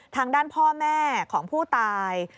ทางด้านพ่อแม่ของผู้ตาย